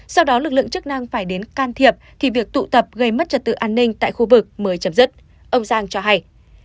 sau đó lực lượng chức năng phải đến can thiệp thì việc tụ tập gây mất trật tự an ninh tại khu vực mới chấm dứt ông giang cho hay